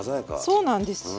そうなんですよ